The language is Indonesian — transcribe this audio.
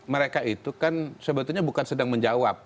mereka itu kan sebetulnya bukan sedang menjawab